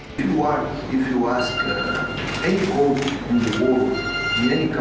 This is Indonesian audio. pemain muda berada di seluruh dunia apa yang menarik